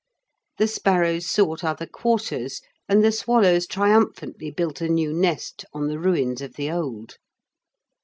The sparrows sought other quarters, and the swallows triumphantly built a new nest on the ruins of the old.